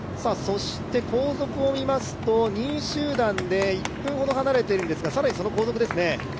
後続を見ますと、２位集団で１分ほど離れているんですが、更にその後続ですね。